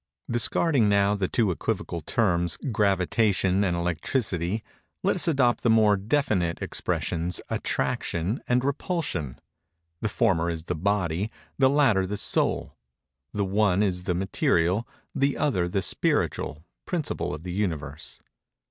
Discarding now the two equivocal terms, "gravitation" and "electricity," let us adopt the more definite expressions, "attraction" and "repulsion." The former is the body; the latter the soul: the one is the material; the other the spiritual, principle of the Universe.